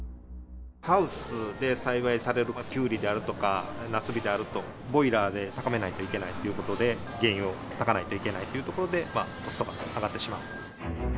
ハウスで栽培されるキュウリであるとかナスビであると、ボイラーで高めないといけないっていうことで、原油をたかないといけないというところで、コストが上がってしまう。